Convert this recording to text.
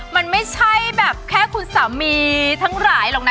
มันไม่ใช่แบบแค่คุณสามีทั้งหลายหรอกนะ